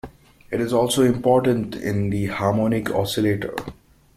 It is also important in the harmonic oscillator.